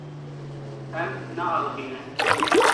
Em nealiqîne.